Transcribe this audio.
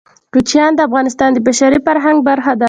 کوچیان د افغانستان د بشري فرهنګ برخه ده.